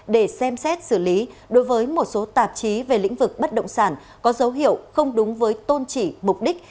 để xem xét xử lý đối với một số tạp chí về lĩnh vực bất động sản có dấu hiệu không đúng với tôn trị mục đích